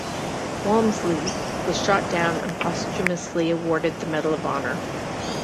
Walmsley was shot down and posthumously awarded the Medal of Honor.